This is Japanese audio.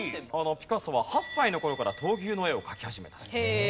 ピカソは８歳の頃から闘牛の絵を描き始めたそうです。